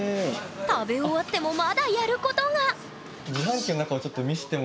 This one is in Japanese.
食べ終わってもまだやることが！